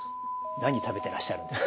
何食べてらっしゃるんですか？